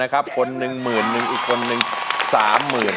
คนหนึ่งหมื่นอีกคนหนึ่ง๓หมื่น